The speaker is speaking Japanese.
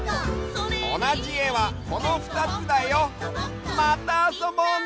おなじえはこのふたつだよ。またあそぼうね！